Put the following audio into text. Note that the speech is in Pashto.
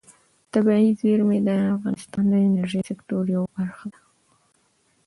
طبیعي زیرمې د افغانستان د انرژۍ سکتور برخه ده.